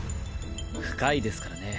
深いですからね